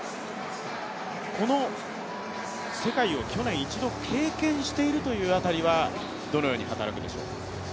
この世界を去年一度経験しているという辺りはどのように働くでしょう？